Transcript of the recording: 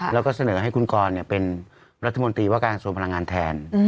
แล้วก็เสนอให้คุณกรเป็นรัฐมนตรีว่าการสวนพลังงานแทน